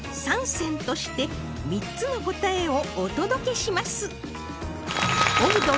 ３選として３つの答えをお届けします